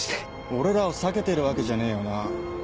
俺らを避けてるわけじゃねえよな？